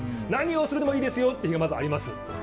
何をするにもいいですよという日が、まずあります。